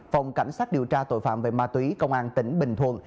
phòng cảnh sát điều tra tội phạm về ma túy công an tỉnh bình thuận